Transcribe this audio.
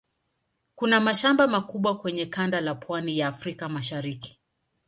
Kuna mashamba makubwa kwenye kanda la pwani ya Afrika ya Mashariki.